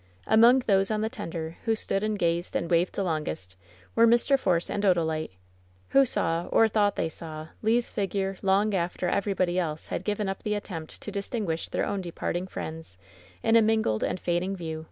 Among those on the tender who stood and gazed and waved the longest were Mr. Force and Odalite, who saw, or thought they saw, Le^s figure long after everybody else had given up the attempt to distinguish their own departing friends in a mingled and fading view.